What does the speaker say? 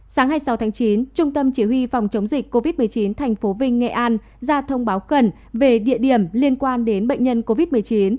sáng hai mươi sáu tháng chín trung tâm chỉ huy phòng chống dịch covid một mươi chín thành phố vinh nghệ an ra thông báo khẩn về địa điểm liên quan đến bệnh nhân covid một mươi chín